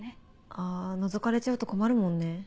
あのぞかれちゃうと困るもんね。